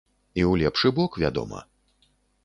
І ў лепшы бок, вядома!